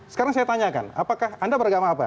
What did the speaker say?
sekarang saya tanyakan apakah anda beragama apa